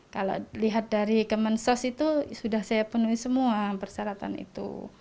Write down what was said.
kalau lihat dari kemensos itu sudah saya penuhi semua persyaratan itu